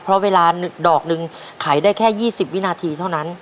เพราะเวลาดอกหนึ่งขายได้แค่๒๐วินาทีเท่านั้น